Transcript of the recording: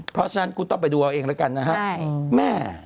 เพราะฉะนั้นคุณต้องไปดูเอาเองแล้วกันนะครับ